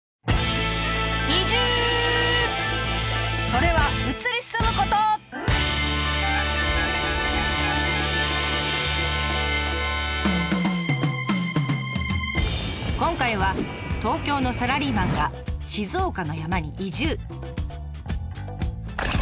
それは今回は東京のサラリーマンが静岡の山に移住。